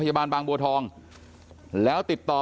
พี่สาวของเธอบอกว่ามันเกิดอะไรขึ้นกับพี่สาวของเธอ